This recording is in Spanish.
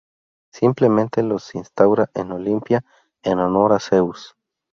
Simplemente los instaura en Olimpia, en honor a Zeus.